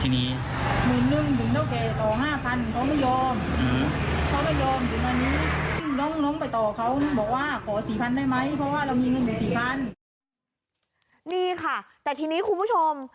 นี่ค่ะแต่ทีนี้คุณผู้ชม